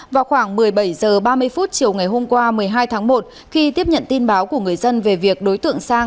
vào khoảng một mươi bảy h ba mươi chiều ngày hôm qua một mươi hai tháng một khi tiếp nhận tin báo của người dân về việc đối tượng sang